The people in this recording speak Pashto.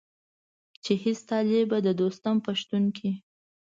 چې هېڅ طالب به د دوستم په شتون کې.